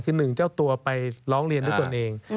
คือหนึ่งเจ้าตัวไปร้องเรียนด้วยตนเอง